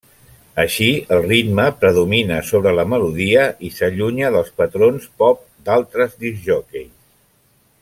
Així, el ritme predomina sobre la melodia i s'allunya dels patrons pop d'altres discjòqueis.